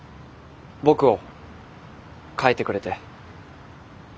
僕を変えてくれて。